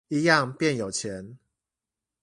一樣變有錢